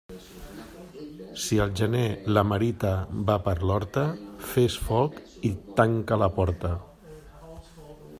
Si al gener, la merita va per l'horta, fes foc i tanca la porta.